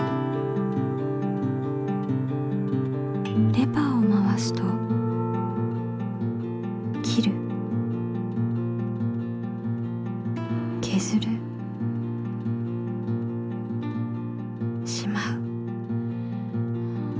レバーを回すと切るけずるしまう。